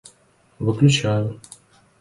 Выключаю